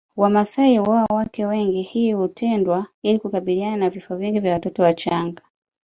Wamasai huoa wake wengi hii hutendwa ili kukabiliana na vifo vingi vya watoto wachanga